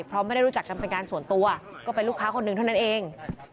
เพราะไม่ได้รู้จักกันเป็นการส่วนตัวก็เป็นลูกค้าคนหนึ่งเท่านั้นเอง